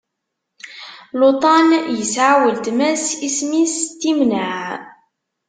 Luṭan yesɛa weltma-s isem-is Timnaɛ.